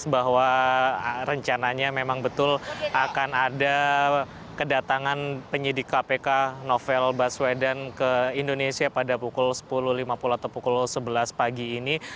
bahwa rencananya memang betul akan ada kedatangan penyidik kpk novel baswedan ke indonesia pada pukul sepuluh lima puluh atau pukul sebelas pagi ini